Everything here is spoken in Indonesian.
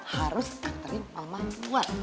harus anterin mama buat